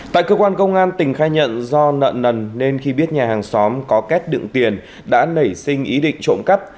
tại cơ quan công an tình khai nhận do nợ nần nên khi biết nhà hàng xóm có kết đựng tiền đã nảy sinh ý định trộm cắp